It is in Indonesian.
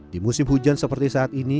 di musim hujan seperti saat ini